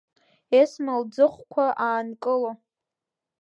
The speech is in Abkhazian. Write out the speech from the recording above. Есма лӡыӷқәа аанкыло.